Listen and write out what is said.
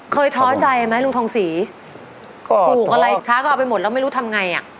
ท้อใจไหมลุงทองศรีปลูกอะไรช้าก็เอาไปหมดแล้วไม่รู้ทำไงอ่ะ